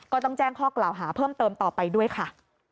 ก็ต้องแจ้งข้อกล่าวหาเพิ่มเติมต่อไปด้วยค่ะ